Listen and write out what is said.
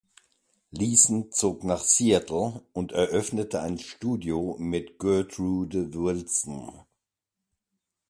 Leeson zog nach Seattle und eröffnete ein Studio mit Gertrude Wilson.